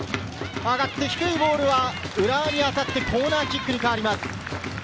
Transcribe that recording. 低いボールは浦和に当たってコーナーキックに変わります。